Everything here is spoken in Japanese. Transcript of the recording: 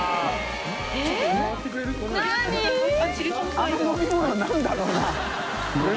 あの飲み物何だろうな？